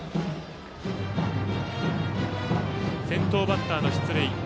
先頭バッターの出塁。